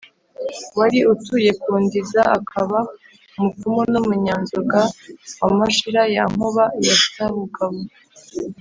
wari utuye ku ndiza akaba umupfumu n’umunyanzoga wa mashira ya nkuba ya sabugabo